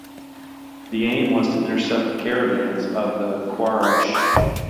The aim was to intercept the caravans of the Quraysh.